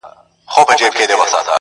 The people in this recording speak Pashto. د نصیب لیدلی خوب یم، پر زندان غزل لیکمه٫